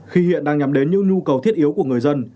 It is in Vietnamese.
khi hiện đang nhắm đến những nhu cầu thiết yếu của người dân